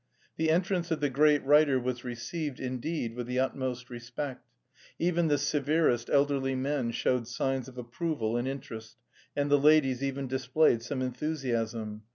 The entrance of the great writer was received, indeed, with the utmost respect: even the severest elderly men showed signs of approval and interest, and the ladies even displayed some enthusiasm.